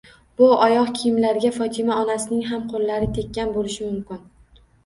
Bu oyoq kiyimlarga Fotima onasining ham qo'llari tekkan bo'lishi mumkin.